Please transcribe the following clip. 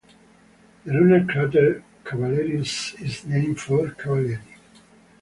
The lunar crater Cavalerius is named for Cavalieri.